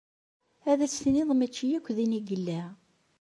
Ad as-tiniḍ mačči akk din i yella.